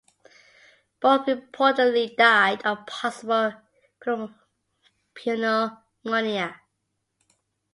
Both reportedly died of possible pneumonia.